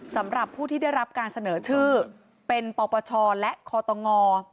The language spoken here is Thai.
สำหรับผู้ที่ได้รับการเสนอชื่อเป็นปปชและคอตง